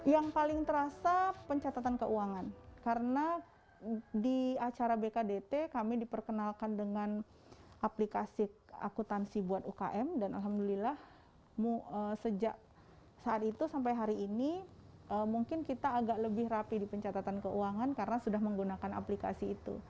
yang paling terasa pencatatan keuangan karena di acara bkdt kami diperkenalkan dengan aplikasi akutansi buat ukm dan alhamdulillah sejak saat itu sampai hari ini mungkin kita agak lebih rapi di pencatatan keuangan karena sudah menggunakan aplikasi itu